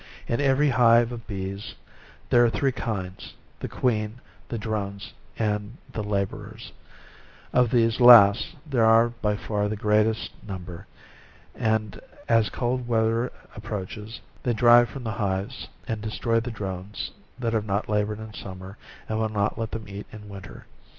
In every hive of bees, there are three kinds: the queen, the drones and tlui laborers: of these last, there aro by far the great 13 est number: and r\s cold weath er approaches, they drive from the hives and destroy the drones that have not labored in summer and will not let them eat in win ter.